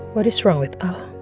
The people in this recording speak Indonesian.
apa yang salah dengan al